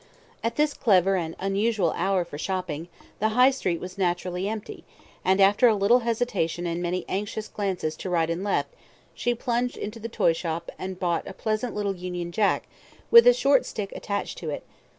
At this clever and unusual hour for shopping, the High Street was naturally empty, and after a little hesitation and many anxious glances to right and left, she plunged into the toyshop and bought a pleasant little Union Jack with a short stick attached to it.